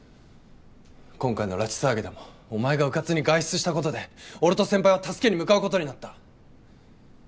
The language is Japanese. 今回の拉致騒ぎでもおまえが迂闊に外出したことで俺と先輩は助けに向かうことになった。